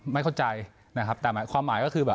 ไม่เข้าใจนะครับแต่ความหมายก็คือแบบ